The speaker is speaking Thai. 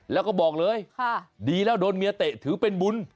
แล้วก็บอกเลยดีแล้วโดนเมียเตะถือเป็นบุญ